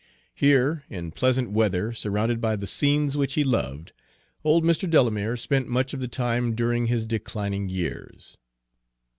Here, in pleasant weather, surrounded by the scenes which he loved, old Mr. Delamere spent much of the time during his declining years.